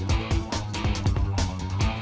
gak ada apa apa